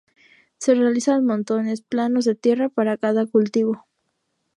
Se realizan montones planos de tierra para cada cultivo.